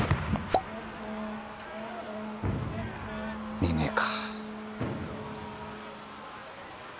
見ねえか。